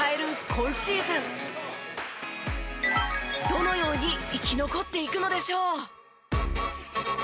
どのように生き残っていくのでしょう？